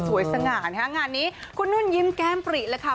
สง่านฮะงานนี้คุณนุ่นยิ้มแก้มปริเลยค่ะ